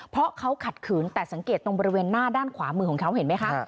เพราะเขาขัดขืนแต่สังเกตตรงบริเวณหน้าด้านขวามือของเขาเห็นไหมคะ